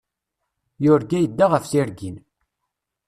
Yurga yedda ɣef tirgin.